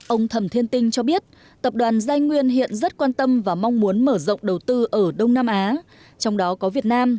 ông thẩm thiên tinh cho biết tập đoàn giai nguyên hiện rất quan tâm và mong muốn mở rộng đầu tư ở đông nam á